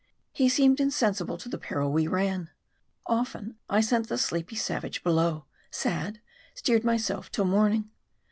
He seemed insensible to the peril we ran. Often I sent the sleepy savage below, and steered myself till morning.